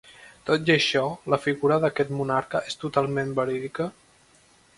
Tot i això, la figura d'aquest monarca és totalment verídica?